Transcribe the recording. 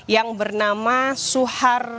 yang bernama suhar sonar